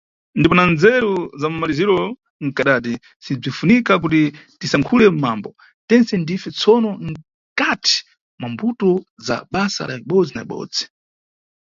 Ndipo na nzeru za mmaliziro kadati si bzinifunika kuti tisankhule mambo, tentse ndife, tsono mkati mwa mbuto na basa la mʼbodzi na mʼbodzi.